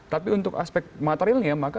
tapi untuk aspek materialnya